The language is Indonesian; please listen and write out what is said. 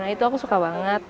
itu aku suka banget